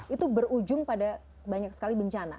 itu berujung pada banyak sekali bencana